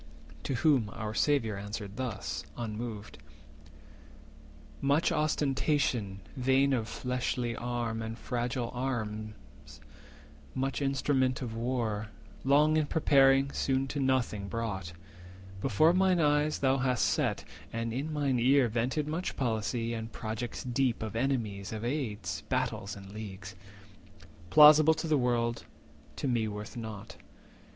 To whom our Saviour answered thus, unmoved:— "Much ostentation vain of fleshly arm And fragile arms, much instrument of war, Long in preparing, soon to nothing brought, Before mine eyes thou hast set, and in my ear 390 Vented much policy, and projects deep Of enemies, of aids, battles, and leagues, Plausible to the world, to me worth naught.